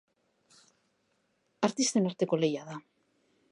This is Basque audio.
Artisten arteko lehia da.